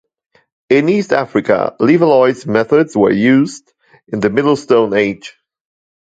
In East Africa, Levallois methods were used in the Middle Stone Age.